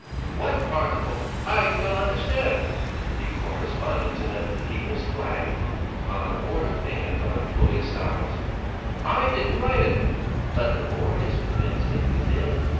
"What article? I don't understand." "The correspondence in the People's Flag on the Board of Payment of Employés' Salaries." "I didn't write it." "But the Board is convinced that you did.